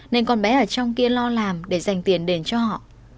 nên con bé ở trong kia lo làm để dành tiền đền cho họ